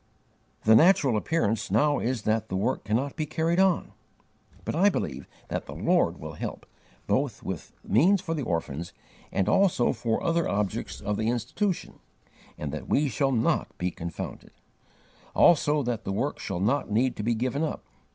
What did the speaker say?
The natural appearance now is that the work cannot be carried on. But I BELIEVE that the Lord will help, both with means for the orphans and also for other objects of the Institution, and that we shall not be confounded; also that the work shall not need to be given up.